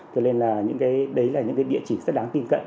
thế nên là đấy là những địa chỉ rất đáng tin cận